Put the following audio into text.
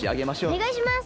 おねがいします。